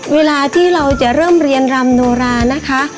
เวลาที่เราจะเริ่มเรียนรำโนรานะคะ